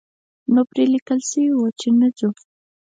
نو پرې لیکل شوي وو چې نه ځو.